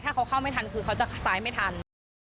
ถ้าเขาเข้าไม่ทันคือเขาจะซ้ายไม่ทัน